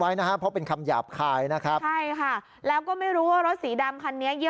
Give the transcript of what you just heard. ไว้นะฮะเพราะเป็นคำหยาบคายนะครับใช่ค่ะแล้วก็ไม่รู้ว่ารถสีดำคันนี้เยอะ